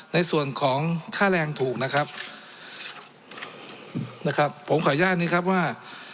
ในส่วนของค่าแรงถูกนะครับนะครับผมขออนุญาตนี้ครับว่า